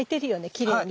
きれいに。